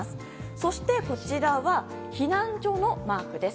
そして、こちらは避難所のマークです。